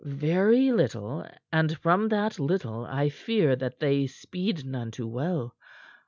"Very little; and from that little I fear that they speed none too well.